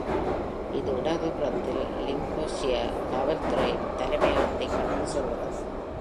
இது இடதுபுறத்தில் Lincolnshire காவல்துறையின் தலைமையகத்தை கடந்து செல்கிறது.